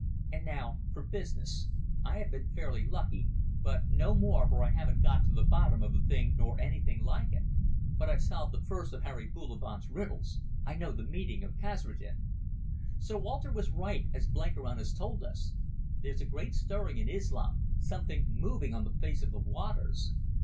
And now for business. I have been fairly lucky—but no more, for I haven't got to the bottom of the thing nor anything like it. But I've solved the first of Harry Bullivant's riddles. I know the meaning of Kasredin. "Sir Walter was right, as Blenkiron has told us. There's a great stirring in Islam, something moving on the face of the waters.